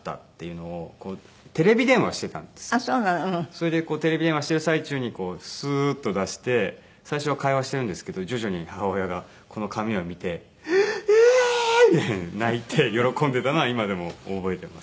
それでテレビ電話している最中にスーッと出して最初は会話しているんですけど徐々に母親がこの紙を見て「えっええー！」みたいに泣いて喜んでいたのは今でも覚えています。